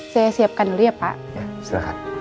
saya siapkan dulu ya pak